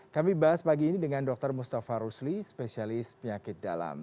kami bahas pagi ini dengan dr mustafa rusli spesialis penyakit dalam